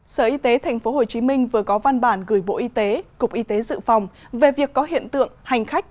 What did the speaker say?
sở y tế tp hcm vừa có văn bản gửi bộ y tế cục y tế dự phòng về việc có hiện tượng hành khách